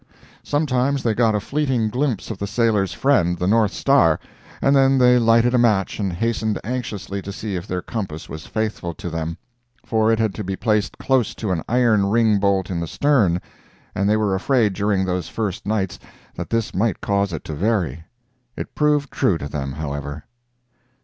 Sometimes they got a fleeting glimpse of the sailor's friend, the north star, and then they lighted a match and hastened anxiously to see if their compass was faithful to them—for it had to be placed close to an iron ring bolt in the stern, and they were afraid, during those first nights, that this might cause it to vary. It proved true to them, however.